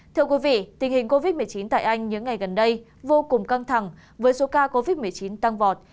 thưa quý vị tình hình covid một mươi chín tại anh những ngày gần đây vô cùng căng thẳng với số ca covid một mươi chín tăng vọt